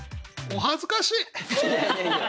お恥ずかしい。